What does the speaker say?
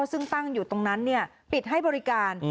ซึ่งตั้งอยู่ตรงนั้นปิดให้บริการ